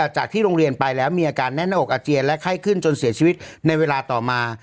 จากที่โรงเรียนไปแล้วมีอาการแน่นหน้าอกอาเจียนและไข้ขึ้นจนเสียชีวิตในเวลาต่อมา